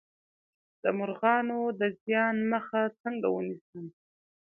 د مرغانو د زیان مخه څنګه ونیسم؟